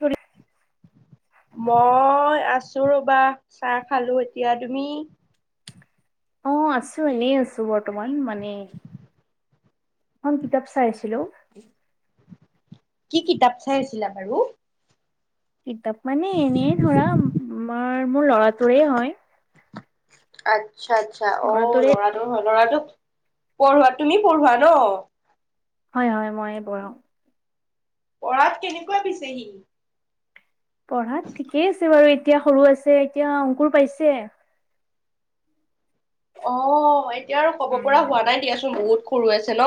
অ মই আছো। ৰ'বা চাহ খালো এতিয়া তুমি? অ আছো এনেই আছো বৰ্তমান মানে এখন কিতাপ চাইছিলো কি কিতাপ চাই আছিলা বাৰু কিতাপ মানে এনে ধৰা আমাৰ মোৰ ল'ৰাটোৰে হয়। আচ্ছা আচ্ছা অ ল'ৰাটোৰে ল'ৰাটোৰ হয় ল'ৰাটোক পঢ়োৱা তুমি পঢ়োৱা ন হয় হয় মই পঢ়াওঁ পঢ়াত কেনেকুৱা পিছেহি পঢ়াত ঠিকেই আছে বাৰু এতিয়া সৰু আছে এতিয়া অংকুৰ পাইছে। অ এতিয়া আৰু ক'ব পৰা উম হোৱা নাই দিয়াচোন বহুত সৰু আছে ন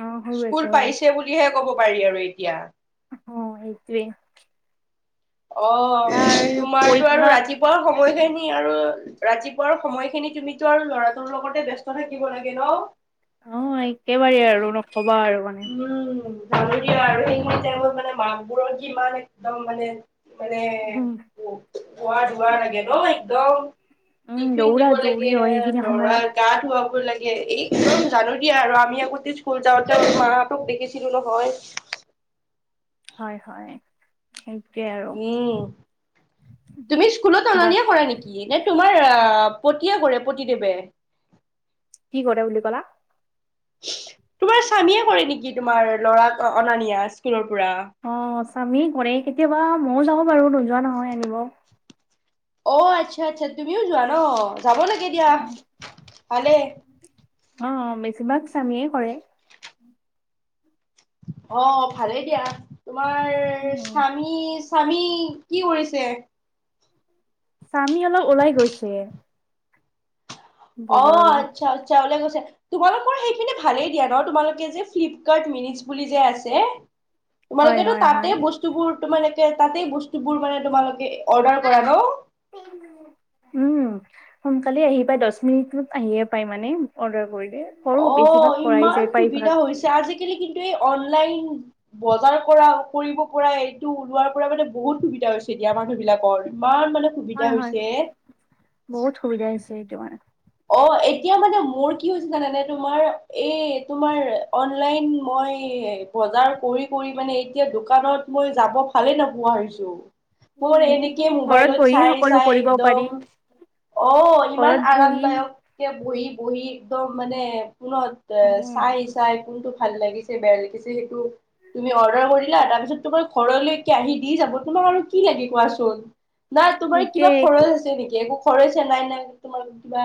অ সৰু আছে স্কুল সৰু পাইছে বুলিহে ক'ব পাৰি আৰু এতিয়া অৱ এইটোৱে অ তোমাৰতো আৰু পৰীক্ষা ৰাতিপুৱা সময়খিনি আৰু ৰাতিপুৱাৰ সময়খিনি তুমিতো আৰু ল'ৰাটোৰ লগতে ব্যস্ত থাকিব লাগে ন অৱ একেবাৰেই আৰু নকবা আৰু মানে উম আৰু সেই তেওঁ মানে মাকবোৰত যিমান একদম মানে মানে উম শুৱা দোৱা লাগে ন একদম উম টিফিন দৌৰা দিব দৌৰি লাগে হয় সেইখিনি সময়ত ল'ৰাৰ গা ধুৱাব লাগে একদম জানো দিয়া, আমি আগতে স্কুল যাওঁতে মাহঁতক দেখিছিলো নহয়। হয় হয় [unintelligible] উম তুমি স্কুলোত অনা বা নিয়া কৰা নেকি নে তোমাৰ আহ পতিয়ে কৰে পতিদেৱে কি কৰে বুলি কলা তোমাৰ স্বামীয়ে কৰে নেকি তোমাৰ ল'ৰাক অনা নিয়া স্কুলৰ পৰা অৱ স্বামী কৰে কেতিয়াবা ময়ো যাওঁ বাৰু নোযোৱা নহয় আনিব অ আচ্ছা আচ্ছা তুমিও যোৱা ন যাব লাগে দিয়া ভালে অ বেছিভাগ স্বামীয়ে কৰে অ ভালেই দিয়া তোমাৰ উম স্বামী স্বামী কি কৰিছে? স্বামী অলপ ওলাই গৈছে। অ বজাৰলৈ আচ্ছা আচ্ছা ওলাই গৈছে। তোমালোকৰ সেইখিনি ভালেই দিয়া ন তোমালোকে যে ফ্লিপকাৰ্ট মিনিচ বুলি যে আছে। হয় তোমালোকেতো হয় তাতে হয় বস্তুবোৰ তোমালোকে তাতে বস্তুবোৰ মানে তোমালোকে অৰ্ডাৰ কৰা ন উম সোনকালে আহি পায়, দহ মিনিটত আহিয়ে পায় মানে অৰ্ডাৰ কৰিলে। কৰো অ, বেছিভাগ কৰাই ইমান যায় পাৰিভাগ সুবিধা হৈছে। আজিকালি কিন্তু এই অনলাইন বজাৰ কৰা, কৰিব পৰা এইটো ওলোৱাৰ পৰা মানে বহুত সুবিধা হৈছে। এতিয়া মানুহ বিলাকৰ, ইমান মানে সুবিধা হয় হয় হৈছে। বহুত সুবিধা হৈছে এইটো মানে অ এতিয়া মানে মোৰ কি হৈছে জানা নে, তোমাৰ এই তোমাৰ অনলাইন মই বজাৰ কৰি-কৰি মানে এতিয়া দোকানত মই যাব ভালে নোপোৱা হৈছোঁ। মোৰ উম এনেকে ঘৰত মোবাইলত বহিয়ে চাই সকলো চাই কৰিব পাৰি একদম অহ ইমান ঘৰত আৰাম। বহি নায়ক এতিয়া বহি-বহি একদম মানে কোনত এ অ চাই-চাই কোনটো ভাল লাগিছে, বেয়া লাগিছে সেইটো তুমি অৰ্ডাৰ কৰিলা। তাৰপিছত তোমাৰ ঘৰলৈকে আহি দি যাব। তোমাৰ মানুহৰ আৰু কি লাগে কোৱাচোন? নাই তোমাৰ কিবা সেইটোয়ে খৰচ হৈছে নেকি? একো খৰচীয়া নাই-নাই তোমাৰ কিবা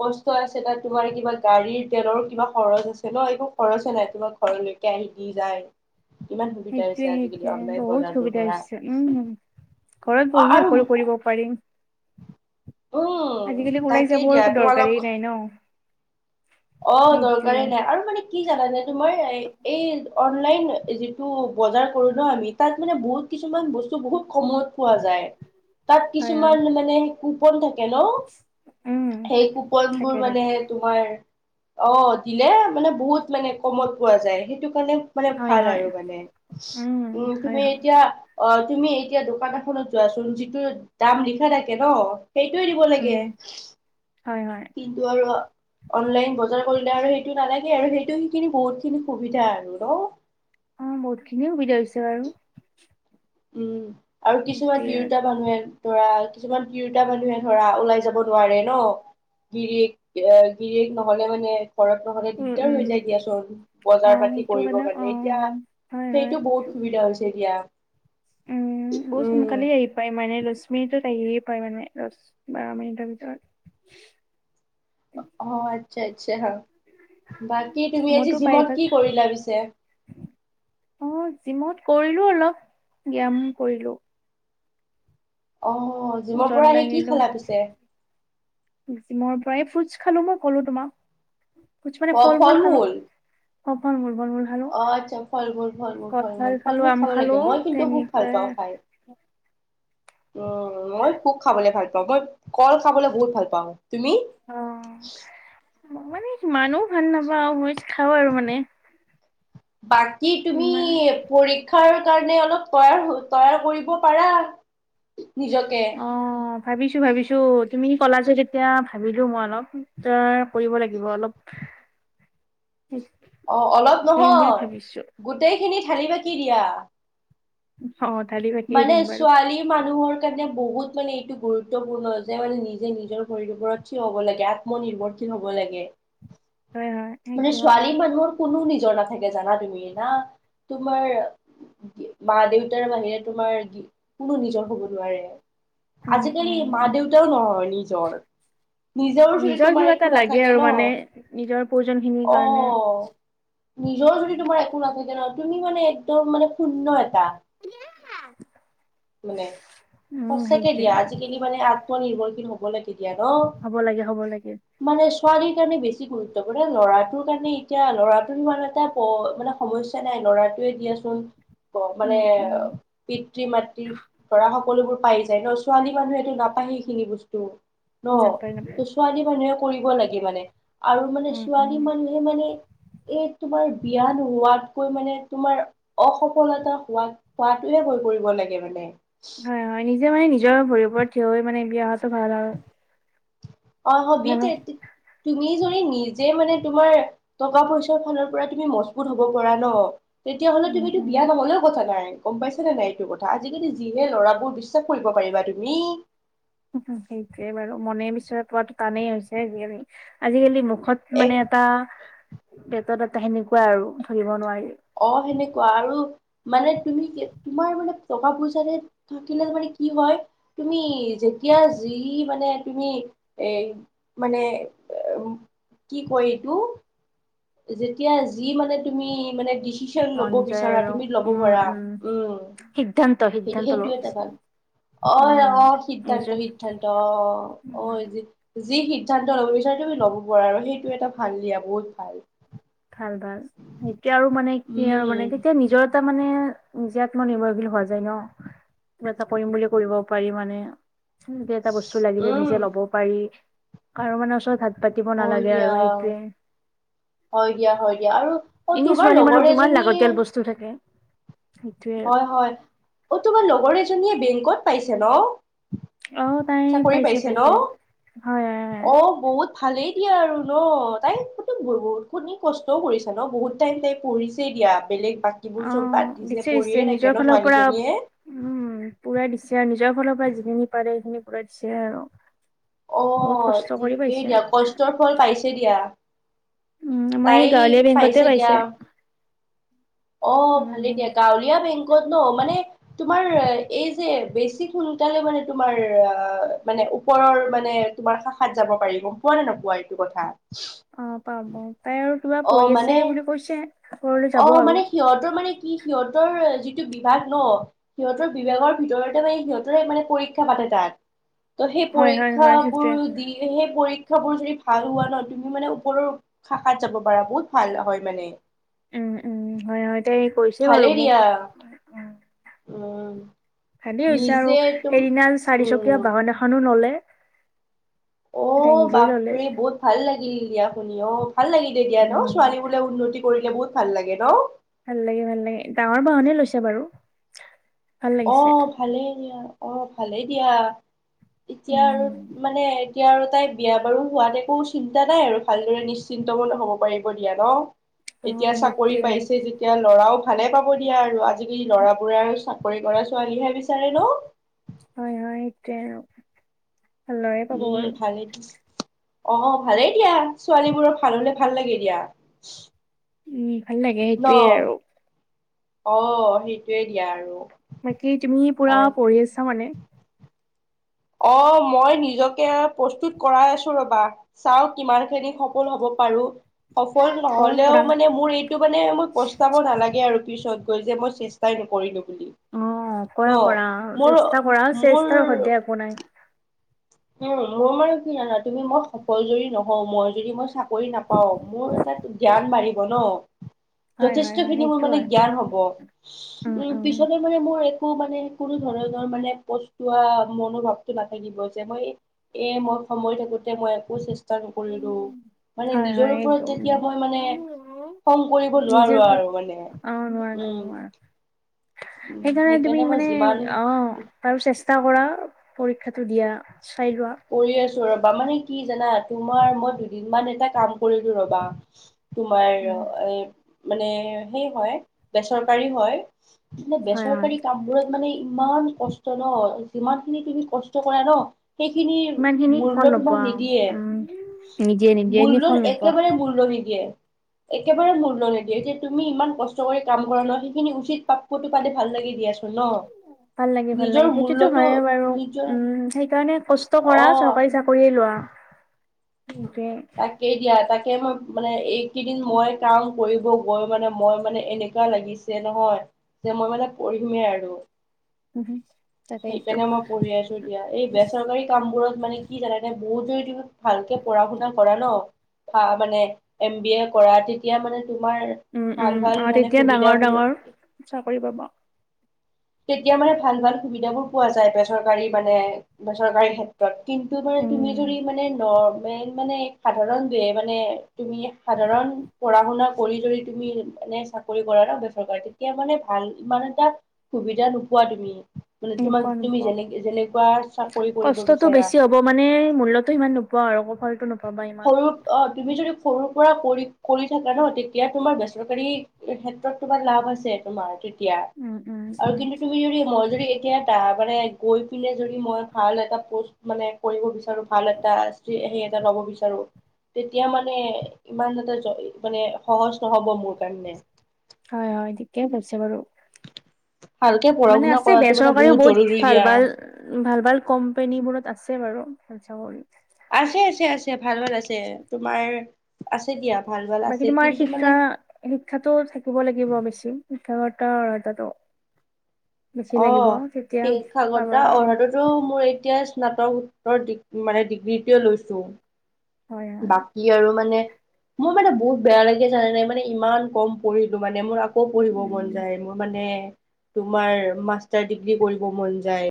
কষ্ট আছে বা তোমাৰ কিবা গাড়ীৰ তেলৰ কিবা খৰচ আছে ন, একো খৰচে নাই তোমাৰ। ঘৰলৈকে আহি দি যায়। ইমান সুবিধা হৈছে সেইটোৱে আজিকালি হেইটোৱে অনলাইন বহুত বজাৰটোৰ সুবিধা পৰা হৈছে উম। ঘৰত অ' বহি এ আৰু অকল কৰিব পাৰিম। উম আজিকালি ওলাই তাকেই যাব দিয়া একো তোমালোক দৰকাৰেই নাই ন। অ, সেইটোৱে দৰকাৰেই নাই আৰু মানে কি জানানে তোমাৰ এই অনলাইন যিটো বজাৰ কৰো ন আমি, তাত মানে বহুত কিছুমান বস্তু বহুত কম সময়ত পোৱা যায়, তাত হয় হয় কিছুমান মানে কুপন থাকে ন। উম সেই কুপন থাকে বোৰ থাকে মানে তোমাৰ অ, দিলে মানে, বহুত মানে কমত পোৱা যায়। সেইটো মানে-মানে হয় ভাল হয় আৰু মানে, উম' হয় তুমি হয় এতিয়া অ তুমি এতিয়া দোকান এখনত যোৱাচোন, যিটো দাম লিখা থাকে নহ সেইটোৱে দিব লাগে উম হয় হয় কিন্তু আৰু অনলাইন বজাৰ কৰিলে আৰু সেইটো নালাগে আৰু সেইটো সেইখিনি বহুত খিনি সুবিধা আৰু নহ। অ বহুত খিনিয়ে সুবিধা হৈছে বাৰু। উম' আৰু কিছুমান সেইটোৱে আৰু তিৰোতা মানুহে ধৰা কিছুমান তিৰোতা মানুহে ধৰা ওলাই যাব নোৱাৰে নহ। গিৰিয়েক, অ গিৰিয়েক নহ'লে মানে ঘৰত নহ'লে উম দিগদাৰ হৈ যায় উম দিয়াচোন, অ বজাৰ পাতি সেইটো কৰিবৰ অ কাৰণে। অ এতিয়া হয় হয় সেইটো বহুত সুবিধা হৈছে এতিয়া। উম' বহুত সোনকালে আহি পায়, ইমানে লৈছে। মিনিটত আহিয়ে পায় মানে, আৰু বাৰ মিনিটৰ ভিতৰত আচ্ছা-আচ্ছা হা। বাকী তুমি আজি মইতো পাই জিমত কি ফাৰ্ষ্ট কৰিলা পিছে? অ, জিমত কৰিলোঁ অলপ, ব্যায়াম কৰিলোঁ। অ, জিমৰ ওজন পৰা আহি কি দাঙিলো খালা পিছে? জিমৰ পৰা‌ এই ফ্ৰুটচ খালোঁ মই কলোঁ তোমাক। কিছুমান মানে অ ফল ফল-মূল খালোঁ। মূল অ, ফল-মূল। ফল-মূল খালোঁ, অ', আচ্ছা ফল মূল ফল মূল ফল মূল কঁঠাল ফল খালোঁ, মূল আম খাব লাগে খালোঁ মই কিন্তু তেনেকা উ [inaudible] অ মই খোব খাবলে ভাল পাওঁ মই কল খাবলৈ বহুত ভাল পাওঁ। তুমি মই মানে ইমানও ভাল নাপাওঁ [unintelligible] খাওঁ আৰু মানে৷ বাকী তুমি ইমান পৰীক্ষাৰ কাৰণে অলপ তৈয়াৰ-তৈয়াৰ কৰিব পাৰা নিজকে৷ ভাবিছো-ভাবিছো তুমি কলা যে তেতিয়া ভাবিলো মই অলপ ত কৰিব লাগিব অলপ৷ [inaudible] অ অলপ কৰিম বুলি নহয় ভাবিছো গোটেইখিনি থালি বাকি দিয়া৷ অ দালি বাকিয়ে মানে দিম বাৰু ছোৱালী মানুহৰ বহুত মানে এইটো গুৰুত্বপূৰ্ণ যে মানে নিজে নিজৰ শৰীৰৰ ওপৰত থিয় হ'ব লাগে আত্মনিৰ্ভৰশীল হ'ব লাগে। [unintelligible] হয় মানে সেইটো হয় ছোৱালী মানুহৰ কোনো নিজৰ নাথাকে জানা তুমি না। তোমাৰ মা-দেউতাৰ বাহিৰে তোমাৰ কোনো নিজৰ হ'ব নোৱাৰে। উম আজিকালি উম মা-দেউতাও নহয় নিজৰ। নিজৰ বুলি তোমাৰ কিবা এটা একো লাগে নাথাকে আৰু ন। মানে নিজৰ প্ৰয়োজন খিনিৰ অ কাৰণে নিজৰ যদি তোমাৰ একো নাথাকে নহ। তুমি মানে একদম মানে শূন্য। [unintelligible] মানে উম সঁচাকে সেইটোৱে দিয়া আজিকালি মানে আ। আত্মনিৰ্ভৰশী হ'ব লাগে, তেতিয়া ন হ'ব লাগে হ'ব লাগে মানে ছোৱালী কাৰণে বেছি গুৰুত্ব। ল'ৰাটোৰ কাৰণে এতিয়া ল'ৰাটোৰ ইমান এটা মানে সমস্যা নাই ল'ৰাটোৱেই দিয়াচোন। ক মানে উম উম পিতৃ-মাতৃ ধৰা হওক। সকলোবোৰ পাই যায় ন ছোৱালী মানুহটো নাপায় সেই খিনি বস্তু ন নাপায় ত নাপায় ছোৱালী মানুহে। কৰিব লাগে মানে আৰু মানে উম উম ছোৱালী মানুহে মানে এই তোমাৰ। বিয়া নোহোৱাতকৈ মানে তোমাৰ অসফলতা হোৱাত হোৱাতয়ে হৈ পৰি লাগে মানে। হয়, হয় নিজে মানে নিজৰ ভৰিৰওপৰত থিয় হৈ মানে বিয়া অহাটো ভাল আৰু অ হবি মানে তে। তুমি যদি নিজে মানে তোমাৰ টকা পইচাৰ ফালৰ পৰা তুমি মজবুত হব পৰা ন। তেতিয়াহ'লে উম তুমিতো উম বিয়া নহলেও কথা নাই। গম পাইছা নে নাই এইটো কথা আজিকালি যিহে লৰাবোৰ বিশ্বাস কৰিব পাৰিবা তুমি। সেইটোৱে বাৰু মনে বিচৰা পোৱটো টানেই হৈছে। আজিকালি আজিকালি। এক মানে এটা পেটত এটা সেনেকুৱা আৰু ধৰিব নোৱাৰি। অ সেনেকুৱা আৰু মানে তুমি তোমাৰ মানে টকা পইচাতে থাকিলে মানে। কি হয় তুমি যেতিয়া যি মানে তুমি এ মানে। [unintelligible] কি কৰিতো যেতিয়া যি মানে তুমি মানে। টিউচন মন ল'ব যায় বিচাৰা আৰু তুমি ল'ব উম পাৰা উম সিদ্ধান্ত সেইটো সিদ্ধান্ত ল'ব সেইটো এটা ভাল। বিচাৰে অ উম অ নিজৰ সিদ্ধান্ত সিদ্ধান্ত অ অ উম যি যি সিদ্ধান্ত ল'ব। তুমি ল'ব পা আৰু সেইটো এটা ভাল দিয়া বহুত ভাল। ভাল ভাল এতিয়া আৰু মানে কি আৰু মানে উম তেতিয়া নিজৰ। তাৰ মানে নিজে আত্মনিৰ্ভৰশীল হোৱা যায় ন। এটা কৰিম বুলি কৰিব পাৰি মানে। এটা বস্তু লাগিলে উম নিজে ল'ব পাৰি কাৰো মানে ওচৰত হাত। পাতিব হয় নালাগে দিয়া আৰু সেইটোৱে। হয় দিয়া হয় দিয়া আৰু অ এনে তোমাৰ ছোৱালী লগৰ মানুহ কিমান এজনীয়ে লাগতিয়াল বস্তু থাকে। সেইটোৱে আৰু। হয় হয় অ তোমাৰ লগৰ এজনীয়ে বেংকত পাইছে ন। চাকৰি পাইছে ন হয় হয় অ বহুত ভালেই। এতিয়া আৰু ন তাইতো বহুত খিনি কষ্টও কৰিছা ন বহুত টাইম তাই পঢ়িছেই দিয়া বেলেগ। বাকীবোৰ অ চব বাদ দিছে। পঢ়িয়ে থাকে নিজৰ ন ফালৰ পৰা ছোৱালীজনীয়ে উম। পুৰা দিছে আৰু নিজৰ ফালৰ পৰা যিখিনি পাৰে সেইখিনি পূৰাই দিছে আৰু। অ বহুত কষ্ট কৰি ঠিকেই পাইছে দিয়া কষ্টৰ ফল পাইছে দিয়া। উম আমাৰ তাই এই গাঁৱলীয়া বেংকতে দিয়া পাইছে। অ ভালেই উম দিয়া গাঁৱলীয়া বেংক। ন মানে তোমাৰ এই যে বেছি সোনকালে মানে তোমাৰ অ মানে। ওপৰৰ মানে তোমাৰ শাখাত যাব পাৰি গম পোৱা নে নোপোৱা এইটো কথা। অ পাব তাই আৰু কিবা অ পঢ়ি আছে মানে বুলি কৈছে ঘৰলৈ অ যাব মানে আৰু। সিহঁতৰ মানে কি সিহঁতৰ যিটো বিভাগ ন সিহঁতৰ বিভাগৰ ভিতৰতে মানে সিহঁত মানে। পৰীক্ষা পাতে তাত। [unintelligible] ত সেই হয় হয় সেইটোৱে পৰীক্ষাবোৰো দিহে পৰীক চব বোল শ্ৰেণীত যদি ভাল হোৱা ন' তুমি মানে ওপৰৰ শাখাত যাব পাৰা বহুত ভাল হ'য় মানে। উম, উম হ'য়, হ'য় তাই কৈছে বাৰু মোক। হ'য় উম অঁ ভালে হৈছে আৰু সেইদিনা উম চাৰিচকীয়া বাহন এখনো ল'লে। তাই অঁ- নিজে ললে বাপৰে বহুত ভাল লাগিল দিয়া শুনি অঁ। ভাল লাগিল দে দিয়া ন' উম ছোৱালীবোলে উন্নতি কৰিলে বহুত ভাল লাগে ন'? ভাল লাগে, ভাল লাগে, ডাঙৰ বাহনে লৈছে বাৰু। ভাল লাগিছে অঁ ভালেই দিয়া, অঁ ভালেই দিয়া এতিয়া আৰু উম মানে এতিয়া আৰু তাই বিয়া বাৰু হোৱাত একো চিন্তা নাই আৰু ভালদৰে নিশ্চিন্ত মনে হ'ব পাৰিব দিয়া ন'? অ এতিয়া চাকৰি সেইটোৱে পাইছে যেতিয়া ল'ৰাও ভালে পাব দিয়া আৰু আজিকালি ল'ৰাবোৰে আৰু চাক চাকৰি কৰা ছোৱালীহে বিচাৰে ন'? হ'য়, হ'য় সেইটোৱে অঁ ভাল ল'ৰাই পাব বাৰু। অঁ ভালেই দিয়া, ছোৱালীবোৰৰ ভাল হ'লে, ভাল লাগে দিয়া। উম, ভাল লাগে ন সেইটোৱে আৰু। অ সেইটোৱে দিয়া আৰু। বাকী তুমি পুৰা পঢ়ি আছা মানে? অ মই নিজকে প্ৰস্তুত কৰাই আছো ৰ'বা, চাও কিমান খিনি সফল হ'ব পাৰো, সফল কৰা নহ'লেও কৰা মানে, মোৰ এইটো মানে, মোৰ প্ৰস্তাব নালাগে আৰু পিছত। মই যে মই চেষ্টাই নকৰিলো। বুলি অ ন কৰা কৰা মোৰ চেষ্টা কৰাৰ, মোৰ চেষ্টাৰ অসাধ্যে একো নাই। উম, মোৰ কি জানা তুমি? মই সফল যদি নহওঁ, মই যদি মই চা কৰি নাপাও মোৰ এটাতো জ্ঞান বাঢ়িব ন'। হয় যথেষ্ট হয় হয় খিনি মোৰ সেইটো মানে হয় জ্ঞান হ'ব। উম, পিছতে মানে মোৰ এক একো মানে, কোনো ধৰণৰ মানে, প্ৰস্তোৱা মনোভাৱটো নাথাকিব। এতিয়া মই, এম সময় থাকোতে মই আকৌ চেষ্টা টা নকৰিলো উম মানে হয় হয় নিজৰ সেইটো ওপৰত যেতিয়া উম মই মানে খং কৰিব নিজে নোৱাৰো ওপৰত আৰু মানে অ নোৱাৰা উম নোৱাৰা উম সেইকাৰণে তুমি মই মানে যিমান অ আৰু চেষ্টা কৰা। পৰীক্ষাটো দিয়া চাই লোৱা। যোৱাবাৰ মানে কি জানা? তোমাৰ, মই দুদিন মান এটা কাম কৰিলো ৰ'বা। তোমাৰ অ উম এ মানে সেই হ'য়, বেচৰকাৰী হ'য়। তোমাৰ হয় হয় বেচৰকাৰী কামবোৰত মানে ই- মান কষ্ট ন'। যিমান খিনি তুমি কষ্ট কৰা ন' সেইখিনিৰ ইমান খিনি ফল মূল্য তোমাক নোপোৱা উম নিদিয়ে নিদিয়ে। নিদিয়ে এনে ফল মূল্যত নোপোৱা একেবাৰে মূল্য নিদিয়ে। একেবাৰে মূল্য নিদিয়ে যে, তুমি ইমান কষ্ট কৰি কাম কৰা ন' সেইখিনি উচিত পাপ্যটো পালে ভাল লাগে দিয়াচো ভাল লাগে, ভাল লাগে, সেইটোতো মূল্যটো হ'য়ে বাৰু নিজৰ উম, সেইকাৰণে কৈ কষ্ট কৰা অ চৰকাৰী চাকৰিয়ে লোৱা। সেইটোৱে তাকেই দিয়া, তাক কে মক্ মানে, এইকেইদিন মই কাম কৰিব গৈ মানে, মই মানে, এনেকা লাগিছে নহয়। যে মই মানে, পঢ়িমে আৰু অ হ'য় সেইকাৰণে মই পঢ়ি আছো এতিয়া। এই বেচৰকাৰী কাম বোৰত মানে, কি জানে নে? বহুত যোৰ দিবা ভালকে পঢ়া -শুনা কৰা ন' ফা মানে, এম বি এ কৰা তেতিয়া মানে তোমাৰ, উম উম ভাল ভাল অ মানে তেতিয়া সুবিধা ডাঙৰ ডাঙৰ বিলাক চাকৰি পাবা তেতিয়া মানে, ভাল ভাল সুবিধাবোৰ পোৱা যায়। বেচৰকাৰী মানে, বেচৰকাৰী ক্ষেত্ৰত। কিন্তু মানে, তুমি উম যদি মানে, নৰ্মেল মানে সাধাৰণতে মানে তুমি সাধাৰণ কৰা পঢ়া শুনা কৰি যদি তুমি মানে চাকৰি কৰা ব্যৱহাৰ কৰা তেতিয়া মানে ভাল ইমান এটা সুবিধা নোপোৱা তুমি মানে তোমাক নোপোৱা তুমি নোপোৱা যেনে যেনেকোৱা চাকৰি কৰিব কষ্টটো বিচাৰা বেছি হ'ব মানে মূল্যটো ইমান নোপোৱা আৰু ফলটো নোপাবা ইমান সৰু অ তুমি যদি সৰু পৰা কৰি কৰি থাকা ন তেতিয়া তোমাৰ বেচৰকাৰী ক্ষেত্ৰত তোমাৰ লাভ আছে তোমাৰ এতিয়া উম উম আৰু উম কিন্তু তুমি যদি মই য এতিয়া তাৰ মানে গৈ পিনে যদি মই ভাল এটা পষ্ট মানে কৰিব বিচাৰো ভাল এটা সেই এটা লব বিচাৰ তেতিয়া মানে ইমান এটা মানে সহজ নহব মোৰ কাৰণে হয় হয় ঠিকেই ভাবিছে বাৰু ভালকে পঢ়া মানে শুনা আছে কৰাটো মানে বেচৰকাৰীও বহুত জৰুৰী ভাল দিয়া ভাল ভাল ভাল কোম্পানী বোৰত আছে আছে বাৰুে বেচৰকাৰী আছে আছে আছে ভাল ভাল আছে তোমাৰ আছে দিয়া ভাল ভাল বাকী আছে তোমাৰ কিন্তু মানে শিক্ষা শিক্ষাতো থাকিব লাগিব বেছি ঘৰতৰ তাতো অ সেই পাবা সাগৰা আৰু অধাটোতো মোৰ এতিয়া স্নাতকোত্তৰ মানে ডিগ্ৰীটোৱে লৈছো হয় হয় বাকী আৰু মানে মোৰ মানে বহুত বেয়া লাগে জানে নাই মানে ইমান কম পঢ়িলো মানে মোৰ আকৌ আকৌ পঢ়িব মন উম। যায় মোৰ মানে তোমাৰ মাষ্টাৰ ডিগ্ৰী কৰিব মন যায়